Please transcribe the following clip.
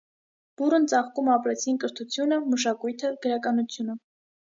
Բուռն ծաղկում ապրեցին կրթությունը, մշակույթը, գրականությունը։